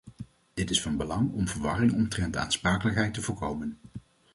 Dit is van belang om verwarring omtrent de aansprakelijkheid te voorkomen.